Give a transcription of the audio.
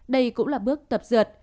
đây cũng là bước tập dượt